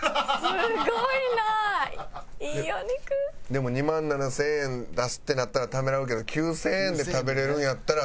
でも２万７０００円出すってなったらためらうけど９０００円で食べれるんやったらっていうね。